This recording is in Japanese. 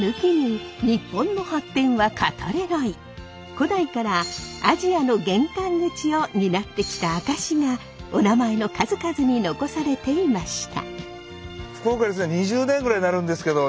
古代からアジアの玄関口を担ってきた証しがお名前の数々に残されていました。